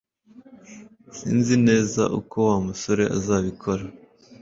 Sinzi neza uko Wa musore azabikora